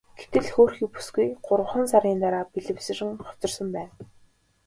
Гэтэл хөөрхий бүсгүй гуравхан сарын дараа бэлэвсрэн хоцорсон байна.